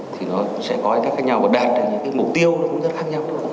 thì nó sẽ có cách khác nhau và đạt được những mục tiêu cũng rất khác nhau